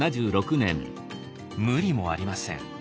無理もありません。